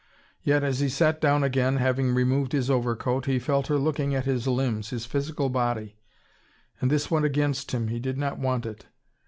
Yet, as he sat down again, having removed his overcoat, he felt her looking at his limbs, his physical body. And this went against him, he did not want it.